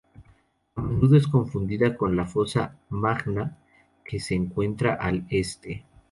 A menudo es confundida con la Fosa Magna que se encuentra al este.